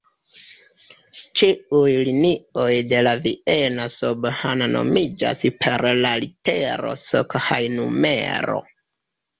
Ĉiuj linioj de la viena "S-Bahn" nomiĝas per la litero "S" kaj numero.